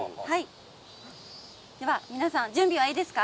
皆さん、準備はいいですか。